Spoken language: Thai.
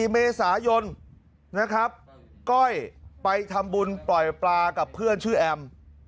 ๔เมษายนนะครับก้อยไปทำบุญปล่อยปลากับเพื่อนชื่อแอม